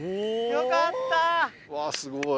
よかった！